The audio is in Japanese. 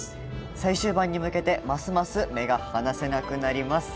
最終盤に向けてますます目が離せなくなります。